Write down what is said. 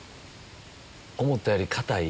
思ったより硬い？